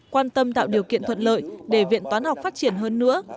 quan tâm tạo điều kiện thuận lợi để viện toán học phát triển hơn nữa